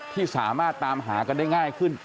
ที่สามารถตามหากันได้ง่ายขึ้น